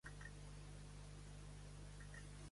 Es la madrina honoraria de la Audrey Hepburn Children's Fund.